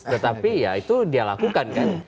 tetapi ya itu dia lakukan kan